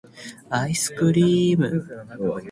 愛♡スクリ～ム!